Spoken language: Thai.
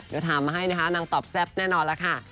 มาให้นะคะนางตอบแซ่บแน่นอนละค่ะ